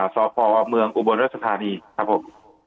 สพเมืองอรัฐสถานีครับผม